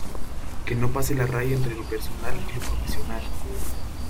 que no pase la raya entre lo personal y lo profesional .